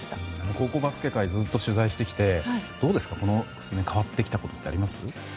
高校バスケ界ずっと取材してきて変わってきたことってありますか。